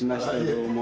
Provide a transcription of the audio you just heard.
どうも。